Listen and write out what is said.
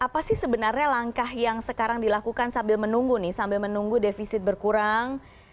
apa sih sebenarnya langkah yang sekarang dilakukan sambil menunggu nih sambil menunggu defisit berkurang